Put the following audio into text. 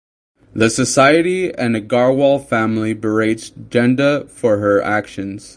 The society and Agarwal family berates Genda for her actions.